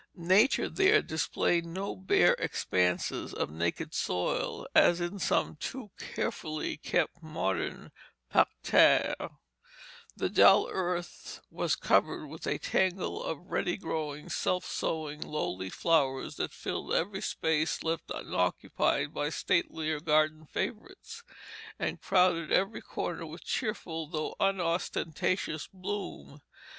Nature there displayed no bare expanses of naked soil, as in some too carefully kept modern parterres; the dull earth was covered with a tangle of ready growing, self sowing, lowly flowers, that filled every space left unoccupied by statelier garden favorites, and crowded every corner with cheerful, though unostentatious, bloom.